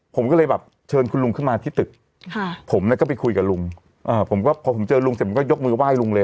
ผมก็เลยแบบเชิญคุณลุงขึ้นมาที่ตึกผมเนี่ยก็ไปคุยกับลุงผมก็พอผมเจอลุงเสร็จมันก็ยกมือไห้ลุงเลย